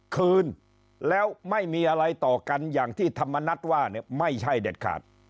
คืนแล้วไม่มีอะไรต่อกันอย่างที่ธรรมนัฐว่าเนี่ยไม่ใช่เด็ดขาด